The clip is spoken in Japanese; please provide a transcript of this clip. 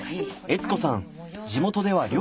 悦子さん